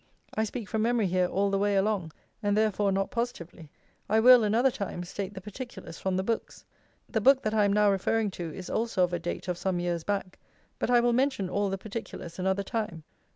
I speak from memory here all the way along; and therefore not positively; I will, another time, state the particulars from the books. The book that I am now referring to is also of a date of some years back; but I will mention all the particulars another time.